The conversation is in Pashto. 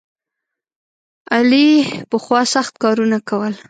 علي پخوا سخت کارونه کول.